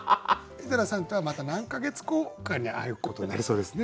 井戸田さんとはまた何か月後かに会うことになりそうですね。